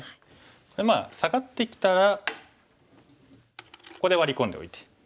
まあサガってきたらここでワリ込んでおいて。